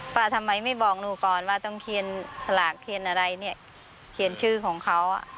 ว่าทำไมไม่บอกหนูก่อนว่าต้องเขียนสลากเทียนอะไรเนี่ยเขียนชื่อของเขา